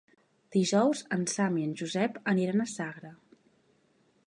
Dijous en Sam i en Josep aniran a Sagra.